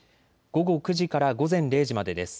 午後９時から午前０時までです。